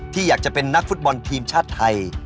อยากจะเป็นนักฟุตบอลทีมชาติไทย